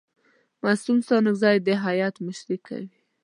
معصوم ستانکزی د هیات مشري کوي.